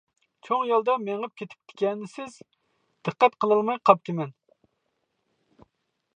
چوڭ يولدا مېڭىپ كېتىپتىكەنسىز، دىققەت قىلالماي قاپتىمەن.